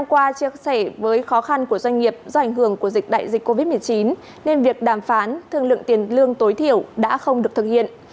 qua chia sẻ với khó khăn của doanh nghiệp do ảnh hưởng của dịch đại dịch covid một mươi chín nên việc đàm phán thương lượng tiền lương tối thiểu đã không được thực hiện